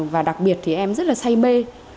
và đặc biệt em rất say mê